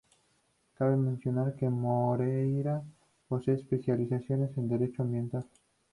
Cabe mencionar que Moreira posee especialización en derecho ambiental.